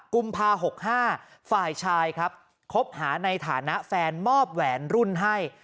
กุมภา๖๕ฝ่ายชายครับคบหาในฐานะแฟนมอบแหวนรุ่นให้